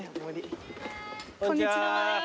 こんにちは。